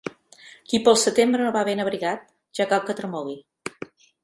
Qui pel setembre no va ben abrigat, ja cal que tremoli.